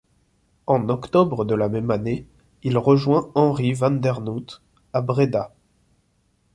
En octobre de la même année, il rejoint Henri van der Noot à Bréda.